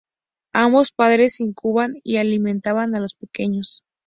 Ambos padres incuban y alimentan a los pequeños.